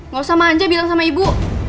gak usah manja bilang sama ibu